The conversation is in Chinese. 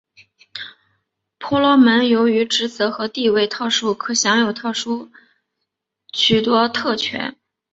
婆罗门由于职责和地位的特殊可享有许多特权。